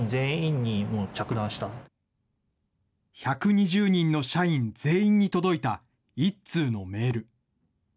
１２０人の社員全員に届いた一通のメール。